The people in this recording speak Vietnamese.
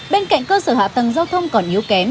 bên cạnh cơ sở hạ tầng giao thông còn yếu kém